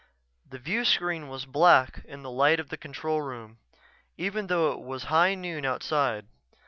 ] The viewscreen was black in the light of the control room, even though it was high noon outside.